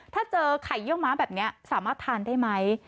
ถ้าเจอไข่เยี่ยวม้าแบบนี้สามารถทานได้ไหม